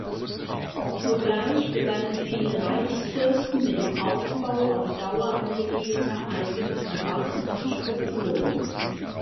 Sogleich begannen viele Reichsfürsten mit dem Aufbau auf Dauer angelegter eigener bewaffneter Strukturen.